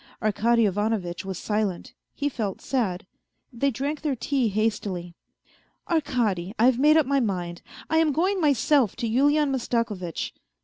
Arkady Ivanovitch was silent, he felt sad. They drank their tea hastily. " Arkady, I've made up my mind, I am going myself to Yulian Mastakovitch."